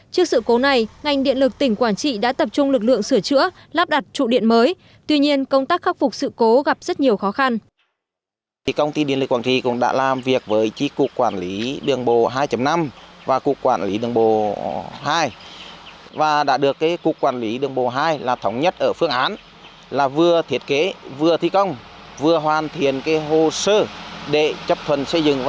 trước sự cố này ngành điện lực tỉnh quảng trị đã tập trung lực lượng sửa chữa lắp đặt trụ điện mới tuy nhiên công tác khắc phục sự cố gặp rất nhiều khó khăn